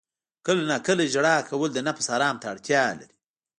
• کله ناکله ژړا کول د نفس آرام ته اړتیا لري.